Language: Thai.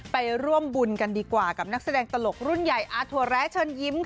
ไปร่วมบุญกันดีกว่ากับนักแสดงตลกรุ่นใหญ่อาถั่วแร้เชิญยิ้มค่ะ